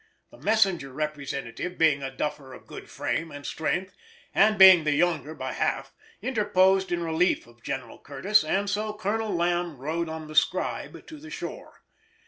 The Messenger representative being a duffer of good frame and strength, and being the younger by half, interposed in relief of General Curtis, and so Colonel Lamb rode the scribe to the shore.